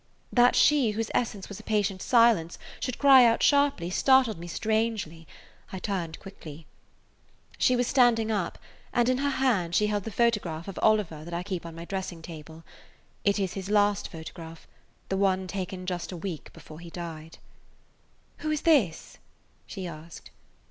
That she, whose essence was a patient silence, should cry out sharply, startled me strangely. I turned quickly. She was standing up, and in her hand she held the photograph of Oliver that I keep on my dressing table. It is his last photograph, the one taken just a week before he died. "Who is this?" she asked.